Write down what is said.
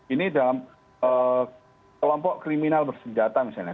ini dalam kelompok kriminal bersenjata misalnya